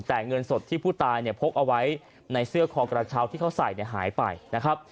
แต่เงินสดที่ผู้ตายพกเอาไว้ในเสื้อคอกระเทาที่เขาใส่หายไป